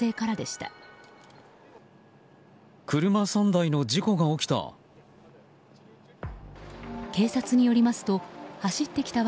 車３台の事故が起きた。